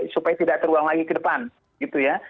supaya tidak terulang lagi ke depan gitu ya